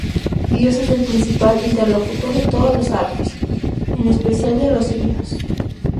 Dios es el principal interlocutor de todos los salmos, en especial de los himnos.